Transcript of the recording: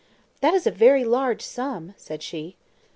"That is a very large sum," said she.